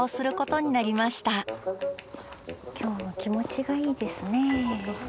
今日も気持ちがいいですね。